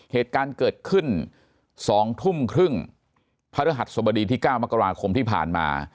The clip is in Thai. เหตุการณ์เกิดขึ้น๒ทุ่มครึ่งพระรหัสสบดีที่๙มกราคมที่ผ่านมา